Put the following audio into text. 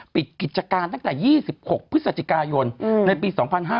ปิดกิจการตั้งแต่๒๖พฤศจิกายนในปี๒๕๕๙